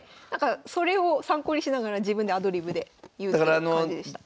それを参考にしながら自分でアドリブで言うって感じでした。